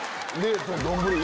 丼。